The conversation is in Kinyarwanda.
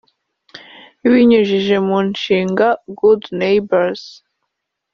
ibinyujije mu mushinga (Good Neighbors)